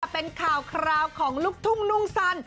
เป็นข่าวคราวของลูกทุ่งนุ่งสัน